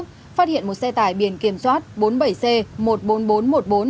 phát hiện một xe tải biển kiểm soát bốn mươi bảy c một mươi bốn nghìn bốn trăm một mươi bốn